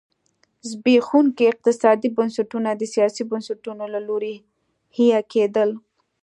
زبېښونکي اقتصادي بنسټونه د سیاسي بنسټونو له لوري حیه کېدل.